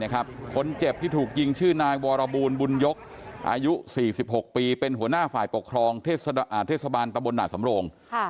คนเจ็บที่ถูกยิงชื่อนายวรบูลบุญยกอายุ๔๖ปีเป็นหัวหน้าฝ่ายปกครองเทศบาลตะบลนาสำโรง